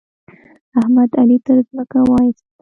احمد؛ علي تر ځمکه واېست.